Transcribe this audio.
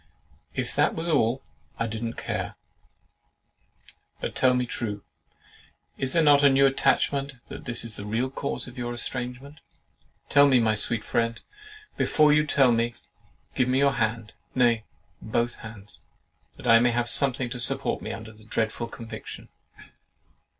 If that was all, I did not care: but tell me true, is there not a new attachment that is the real cause of your estrangement? Tell me, my sweet friend, and before you tell me, give me your hand (nay, both hands) that I may have something to support me under the dreadful conviction."